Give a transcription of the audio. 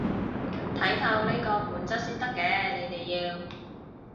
睇透呢個本質先得嘅，你哋要